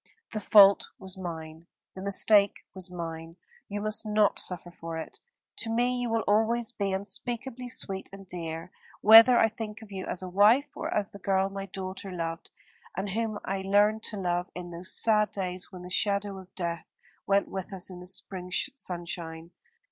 The fault was mine, the mistake was mine. You must not suffer for it. To me you will always be unspeakably sweet and dear whether I think of you as a wife, or as the girl my daughter loved and whom I learned to love in those sad days when the shadow of death went with us in the spring sunshine.